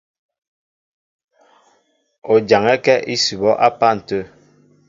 O jaŋɛ́kɛ́ ísʉbɔ́ á pân tə̂.